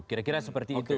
kira kira seperti itu